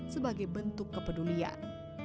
sebagai bentuk kepedulian